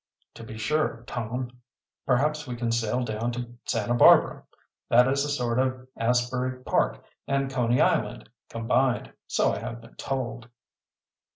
"To be sure, Tom. Perhaps we can sail down to Santa Barbara. That is a sort of Asbury Park and Coney Island combined, so I have been told."